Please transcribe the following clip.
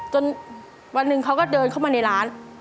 จนวันหนึ่งเขาก็เดินเข้ามาในร้าน